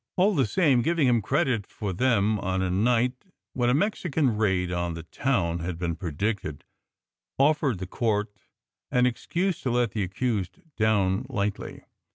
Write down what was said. All the same, giving him credit for them on a night when a Mexican raid on the town had been predicted offered the court an excuse to let the accused down lightly.